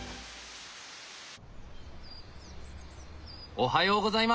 おはようございます！